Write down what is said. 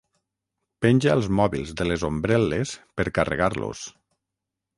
Penja els mòbils de les ombrel·les per carregar-los.